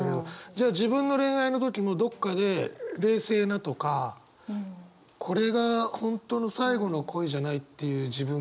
じゃあ自分の恋愛の時もどっかで冷静なとかこれが本当の最後の恋じゃないっていう自分。